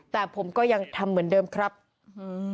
แต่ผมก็ยังทำเหมือนเดิมครับอืม